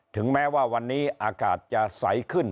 ถึงแม้ว่าวันนี้อากาศจะใสขึ้น